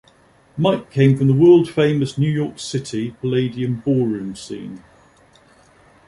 Mike came from the world-famous New York City Palladium Ballroom scene.